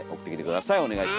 お願いします。